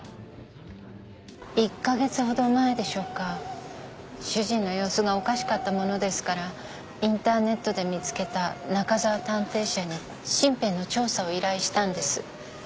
１か月ほど前でしょうか主人の様子がおかしかったものですからインターネットで見付けた中沢探偵社に身辺の調査を依頼したんです。